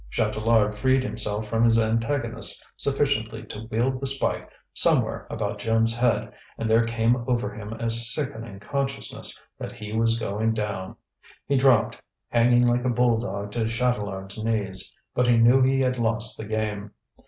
Chatelard freed himself from his antagonist sufficiently to wield the spike somewhere about Jim's head, and there came over him a sickening consciousness that he was going down. He dropped, hanging like a bulldog to Chatelard's knees, but he knew he had lost the game.